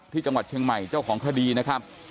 ที่จังหวัดเชียงใหม่เจ้าของคดีนะครับ